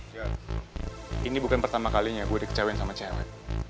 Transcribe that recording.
jod ini bukan pertama kalinya gue dikecewain sama cewek